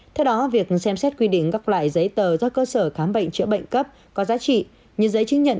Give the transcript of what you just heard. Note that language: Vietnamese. theo đó việc xem xét quy định các loại giấy tờ do cơ sở khám bệnh chữa bệnh cấp có giá trị như giấy chứng nhận